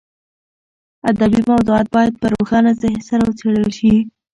ادبي موضوعات باید په روښانه ذهن سره وڅېړل شي.